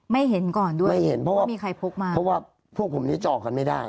ไม่เห็นก่อนด้วยไม่เห็นเพราะว่ามีใครพกมาเพราะว่าพวกผมนี้เจาะกันไม่ได้